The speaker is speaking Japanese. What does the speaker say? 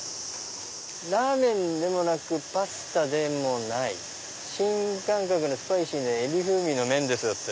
「ラーメンでもなくパスタでもない新感覚のスパイシーなエビ風味の麺です」。